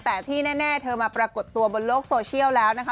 แต่ที่แน่เธอมาปรากฏตัวบนโลกโซเชียลแล้วนะคะ